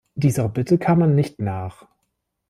Dieser Bitte kam man nicht nach.